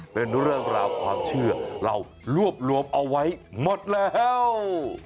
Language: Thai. เป็นเรื่องราวความเชื่อเรารวบรวมเอาไว้หมดแล้ว